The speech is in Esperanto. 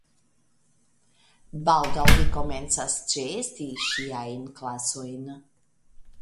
Baldaŭ li komencas ĉeesti ŝiajn klasojn.